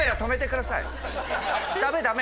ダメダメ。